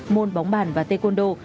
môn bóng bàn và tê côn đô